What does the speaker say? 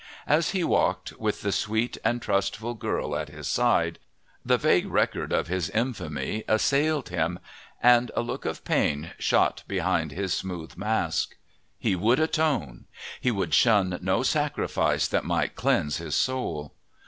As he walked, with the sweet and trustful girl at his side, the vague record of his infamy assailed him, and a look of pain shot behind his smooth mask. He would atone. He would shun no sacrifice that might cleanse his soul.